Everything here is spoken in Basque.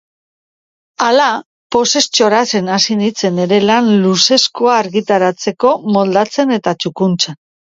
Hala, pozez txoratzen hasi nintzen nere lan luzeskoa argitaratzeko moldatzen eta txukuntzen.